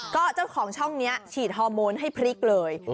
ก็เจ้าของช่องนี้ฉีดฮอร์โมนให้พริกเลย